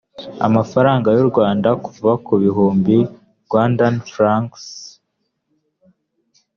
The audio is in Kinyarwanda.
amafaranga y u rwanda kuva ku bihumbi rwandan francs frw